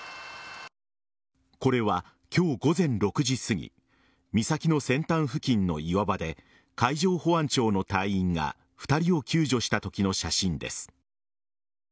これは今日午前６時すぎ岬の先端付近の岩場で海上保安庁の隊員が２人を救助したときの写真です。